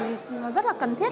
nó rất là cần thiết